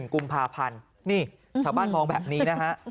กุมภาพันธ์นี่ชาวบ้านมองแบบนี้นะฮะ